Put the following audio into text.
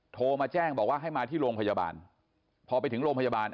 โทรมาแจ้งบอกว่าให้มาที่โรงพยาบาลพอไปถึงโรงพยาบาล